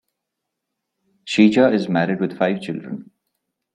Shija is married with five children.